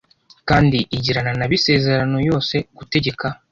kandi igirana na bo isezerano yose gutegeka